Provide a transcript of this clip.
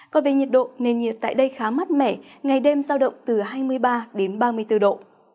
còn về nhiệt độ nền nhiệt tại đây khá mát mẻ ngày đêm giao động từ hai mươi ba đến ba mươi bốn độ